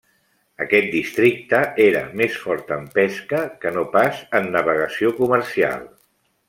Aquest districte era més fort en pesca que no pas en navegació comercial.